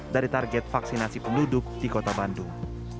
dari target vaksinasi penduduk di kota bandung